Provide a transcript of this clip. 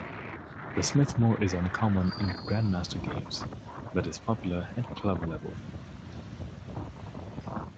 The Smith-Morra is uncommon in grandmaster games, but is popular at club level.